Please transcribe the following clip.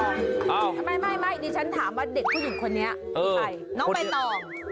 น้องใบตองไม่นี่ฉันถามว่าเด็กผู้หญิงคนนี้น้องใบตอง